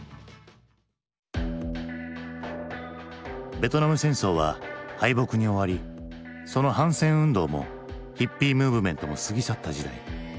ベトナム戦争は敗北に終わりその反戦運動もヒッピームーブメントも過ぎ去った時代。